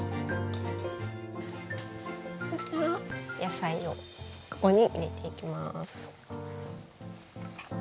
そしたら野菜をここに入れていきます。